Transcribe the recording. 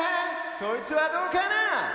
そいつはどうかな